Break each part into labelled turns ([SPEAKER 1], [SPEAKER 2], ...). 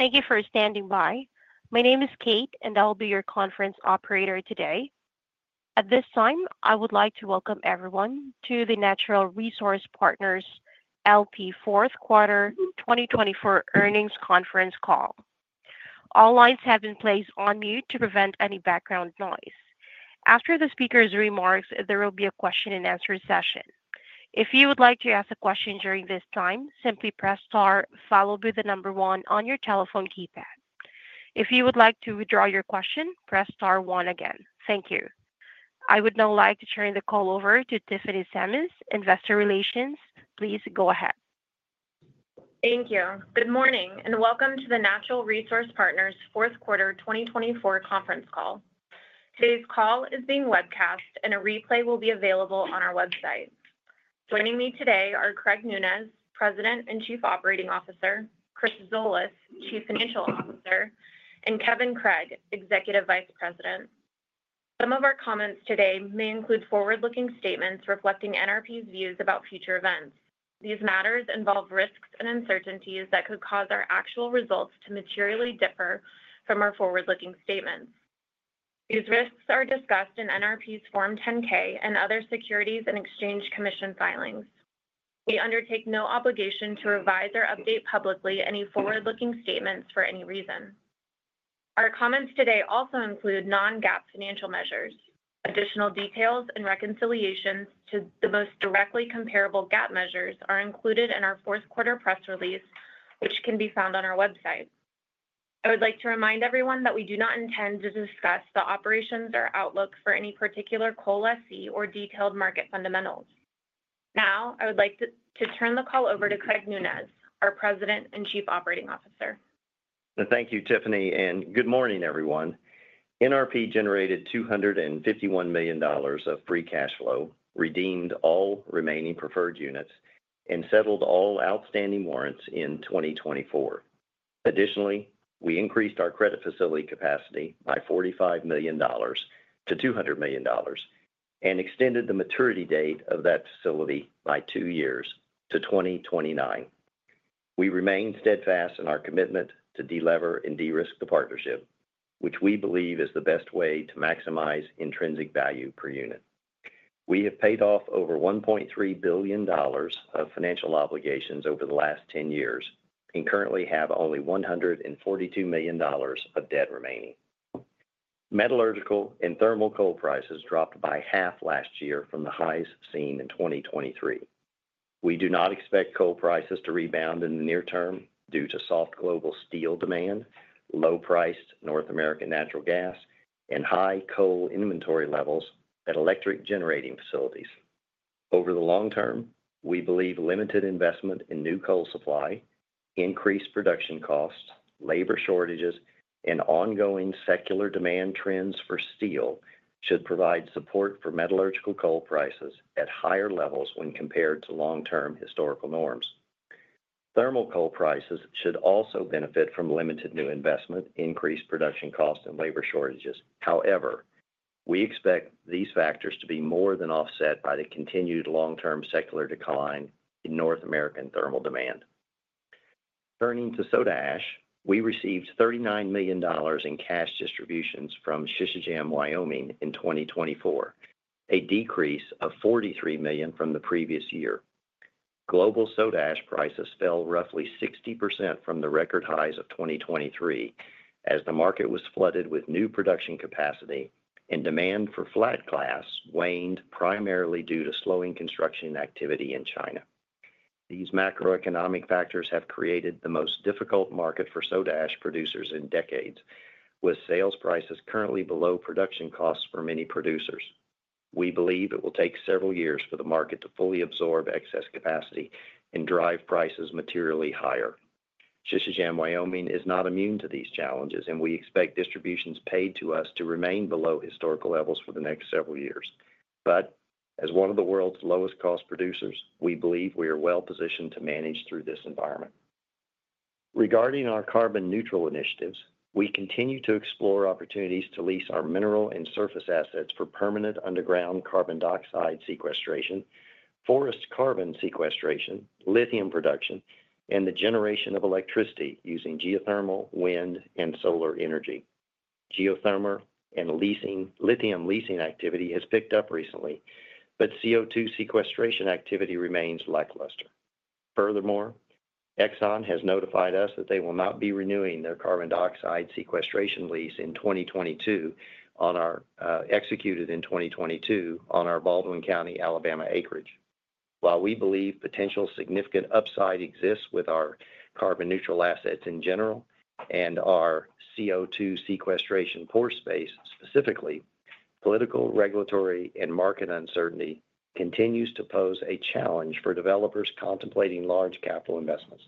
[SPEAKER 1] Thank you for standing by. My name is Kate, and I'll be your conference operator today. At this time, I would like to welcome everyone to the Natural Resource Partners LP Fourth Quarter 2024 Earnings Conference Call. All lines have been placed on mute to prevent any background noise. After the speaker's remarks, there will be a question-and-answer session. If you would like to ask a question during this time, simply press * followed by the number one on your telephone keypad. If you would like to withdraw your question, press * again. Thank you. I would now like to turn the call over to Tiffany Sammis, Investor Relations. Please go ahead.
[SPEAKER 2] Thank you. Good morning and welcome to the Natural Resource Partners Fourth Quarter 2024 Conference Call. Today's call is being webcast, and a replay will be available on our website. Joining me today are Craig Nunez, President and Chief Operating Officer; Chris Zolas, Chief Financial Officer; and Kevin Craig, Executive Vice President. Some of our comments today may include forward-looking statements reflecting NRP's views about future events. These matters involve risks and uncertainties that could cause our actual results to materially differ from our forward-looking statements. These risks are discussed in NRP's Form 10-K and other Securities and Exchange Commission filings. We undertake no obligation to revise or update publicly any forward-looking statements for any reason. Our comments today also include non-GAAP financial measures. Additional details and reconciliations to the most directly comparable GAAP measures are included in our Fourth Quarter Press Release, which can be found on our website. I would like to remind everyone that we do not intend to discuss the operations or outlook for any particular coal asset or detailed market fundamentals. Now, I would like to turn the call over to Craig Nunez, our President and Chief Operating Officer.
[SPEAKER 3] Thank you, Tiffany, and good morning, everyone. NRP generated $251 million of free cash flow, redeemed all remaining preferred units, and settled all outstanding warrants in 2024. Additionally, we increased our credit facility capacity by $45 million-$200 million and extended the maturity date of that facility by two years to 2029. We remain steadfast in our commitment to delever and de-risk the partnership, which we believe is the best way to maximize intrinsic value per unit. We have paid off over $1.3 billion of financial obligations over the last 10 years and currently have only $142 million of debt remaining. Metallurgical and thermal coal prices dropped by half last year from the highs seen in 2023. We do not expect coal prices to rebound in the near term due to soft global steel demand, low-priced North American natural gas, and high coal inventory levels at electric-generating facilities. Over the long term, we believe limited investment in new coal supply, increased production costs, labor shortages, and ongoing secular demand trends for steel should provide support for metallurgical coal prices at higher levels when compared to long-term historical norms. Thermal coal prices should also benefit from limited new investment, increased production costs, and labor shortages. However, we expect these factors to be more than offset by the continued long-term secular decline in North American thermal demand. Turning to soda ash, we received $39 million in cash distributions from Sisecam Wyoming in 2024, a decrease of $43 million from the previous year. Global soda ash prices fell roughly 60% from the record highs of 2023 as the market was flooded with new production capacity, and demand for flat glass waned primarily due to slowing construction activity in China. These macroeconomic factors have created the most difficult market for soda ash producers in decades, with sales prices currently below production costs for many producers. We believe it will take several years for the market to fully absorb excess capacity and drive prices materially higher. Sisecam Wyoming is not immune to these challenges, and we expect distributions paid to us to remain below historical levels for the next several years. As one of the world's lowest-cost producers, we believe we are well-positioned to manage through this environment. Regarding our carbon-neutral initiatives, we continue to explore opportunities to lease our mineral and surface assets for permanent underground carbon dioxide sequestration, forest carbon sequestration, lithium production, and the generation of electricity using geothermal, wind, and solar energy. Geothermal and lithium leasing activity has picked up recently, but CO2 sequestration activity remains lackluster. Furthermore, ExxonMobil has notified us that they will not be renewing their carbon dioxide sequestration lease executed in 2022 on our Baldwin County, Alabama, acreage. While we believe potential significant upside exists with our carbon-neutral assets in general and our CO2 sequestration pore space specifically, political, regulatory, and market uncertainty continues to pose a challenge for developers contemplating large capital investments.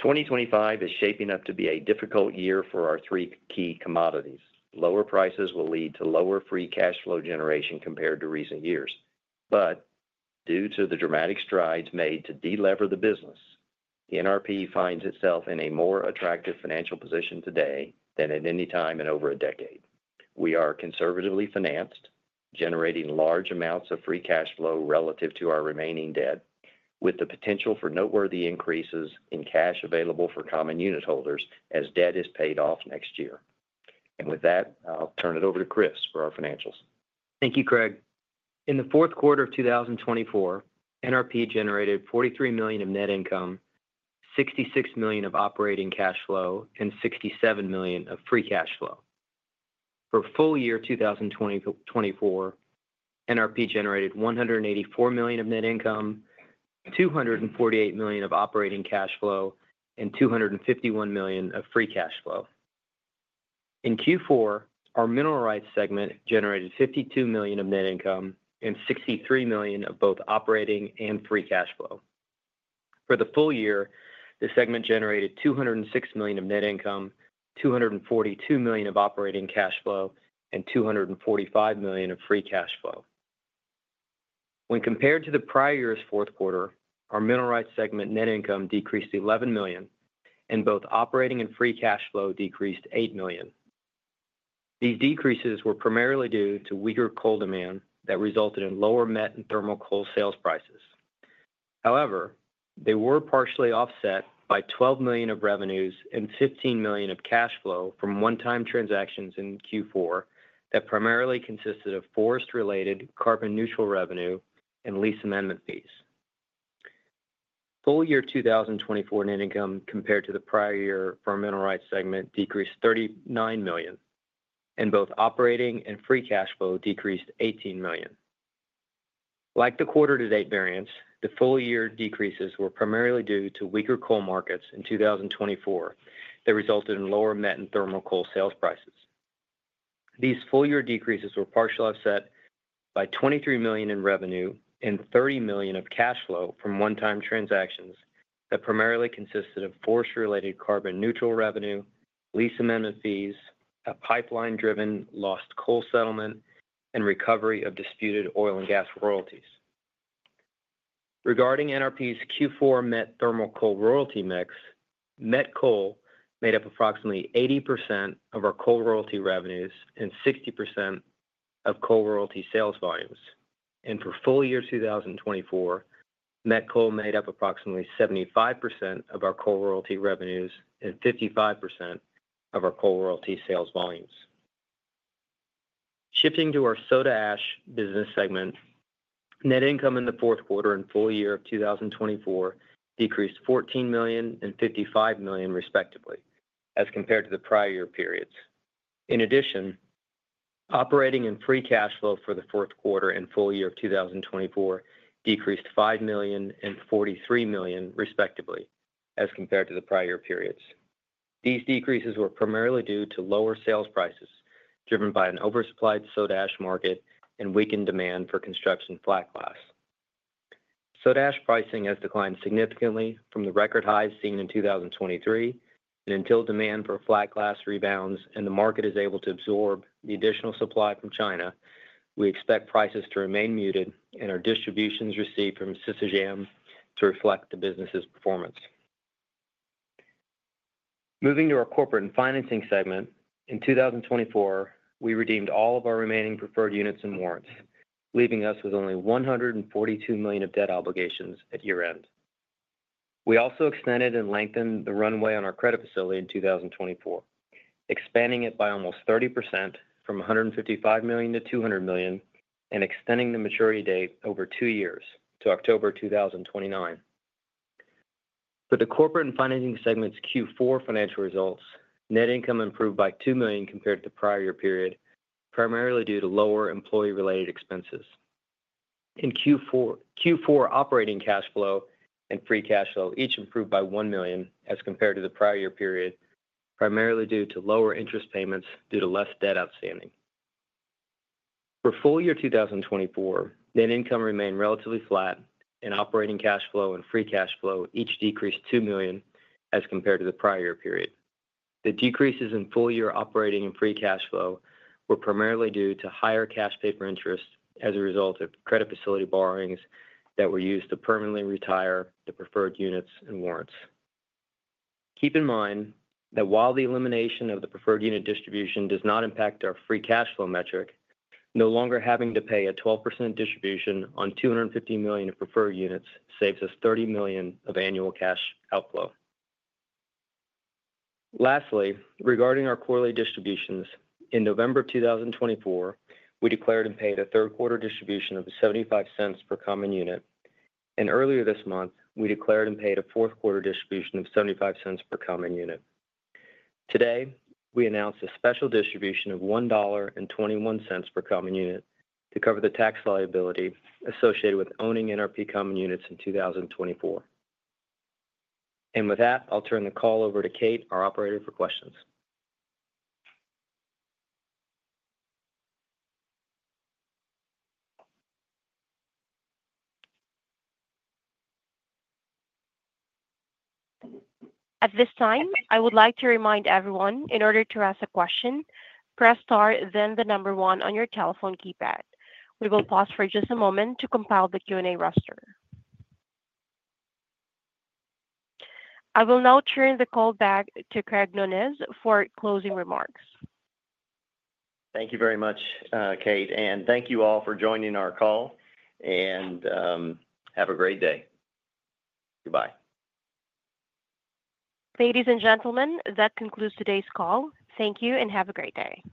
[SPEAKER 3] 2025 is shaping up to be a difficult year for our three key commodities. Lower prices will lead to lower free cash flow generation compared to recent years. Due to the dramatic strides made to delever the business, NRP finds itself in a more attractive financial position today than at any time in over a decade. We are conservatively financed, generating large amounts of free cash flow relative to our remaining debt, with the potential for noteworthy increases in cash available for common unit holders as debt is paid off next year. With that, I'll turn it over to Chris for our financials.
[SPEAKER 4] Thank you, Craig. In the fourth quarter of 2024, NRP generated $43 million of net income, $66 million of operating cash flow, and $67 million of free cash flow. For full year 2024, NRP generated $184 million of net income, $248 million of operating cash flow, and $251 million of free cash flow. In Q4, our mineral rights segment generated $52 million of net income and $63 million of both operating and free cash flow. For the full year, the segment generated $206 million of net income, $242 million of operating cash flow, and $245 million of free cash flow. When compared to the prior year's fourth quarter, our mineral rights segment net income decreased $11 million, and both operating and free cash flow decreased $8 million. These decreases were primarily due to weaker coal demand that resulted in lower met and thermal coal sales prices. However, they were partially offset by $12 million of revenues and $15 million of cash flow from one-time transactions in Q4 that primarily consisted of forest-related carbon-neutral revenue and lease amendment fees. Full year 2024 net income compared to the prior year for mineral rights segment decreased $39 million, and both operating and free cash flow decreased $18 million. Like the quarter-to-date variance, the full year decreases were primarily due to weaker coal markets in 2024 that resulted in lower met and thermal coal sales prices. These full year decreases were partially offset by $23 million in revenue and $30 million of cash flow from one-time transactions that primarily consisted of forest-related carbon-neutral revenue, lease amendment fees, a pipeline-driven lost coal settlement, and recovery of disputed oil and gas royalties. Regarding NRP's Q4 met thermal coal royalty mix, met coal made up approximately 80% of our coal royalty revenues and 60% of coal royalty sales volumes. For full year 2024, met coal made up approximately 75% of our coal royalty revenues and 55% of our coal royalty sales volumes. Shifting to our soda ash business segment, net income in the fourth quarter and full year of 2024 decreased $14 million and $55 million, respectively, as compared to the prior year periods. In addition, operating and free cash flow for the fourth quarter and full year of 2024 decreased $5 million and $43 million, respectively, as compared to the prior year periods. These decreases were primarily due to lower sales prices driven by an oversupplied soda ash market and weakened demand for construction flat glass. Soda ash pricing has declined significantly from the record highs seen in 2023, and until demand for flat glass rebounds and the market is able to absorb the additional supply from China, we expect prices to remain muted and our distributions received from Sisecam to reflect the business's performance. Moving to our corporate and financing segment, in 2024, we redeemed all of our remaining preferred units and warrants, leaving us with only $142 million of debt obligations at year-end. We also extended and lengthened the runway on our credit facility in 2024, expanding it by almost 30% from $155 million to $200 million and extending the maturity date over two years to October 2029. For the corporate and financing segment's Q4 financial results, net income improved by $2 million compared to the prior year period, primarily due to lower employee-related expenses. In Q4, operating cash flow and free cash flow each improved by $1 million as compared to the prior year period, primarily due to lower interest payments due to less debt outstanding. For full year 2024, net income remained relatively flat, and operating cash flow and free cash flow each decreased $2 million as compared to the prior year period. The decreases in full year operating and free cash flow were primarily due to higher cash paper interest as a result of credit facility borrowings that were used to permanently retire the preferred units and warrants. Keep in mind that while the elimination of the preferred unit distribution does not impact our free cash flow metric, no longer having to pay a 12% distribution on $250 million of preferred units saves us $30 million of annual cash outflow. Lastly, regarding our quarterly distributions, in November 2024, we declared and paid a third-quarter distribution of $0.75 per common unit, and earlier this month, we declared and paid a fourth-quarter distribution of $0.75 per common unit. Today, we announced a special distribution of $1.21 per common unit to cover the tax liability associated with owning NRP common units in 2024. With that, I'll turn the call over to Kate, our operator, for questions.
[SPEAKER 1] At this time, I would like to remind everyone, in order to ask a question, press star, then the number one on your telephone keypad. We will pause for just a moment to compile the Q&A roster. I will now turn the call back to Craig Nunez for closing remarks.
[SPEAKER 3] Thank you very much, Kate, and thank you all for joining our call, and have a great day. Goodbye.
[SPEAKER 1] Ladies and gentlemen, that concludes today's call. Thank you and have a great day.